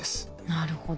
なるほど。